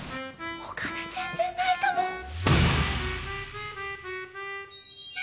お金全然ないかも。